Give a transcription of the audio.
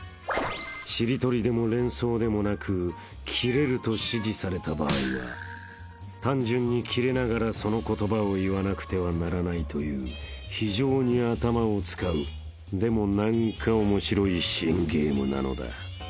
［しりとりでも連想でもなくキレると指示された場合は単純にキレながらその言葉を言わなくてはならないという非常に頭を使うでも何かオモシロい新ゲームなのだ］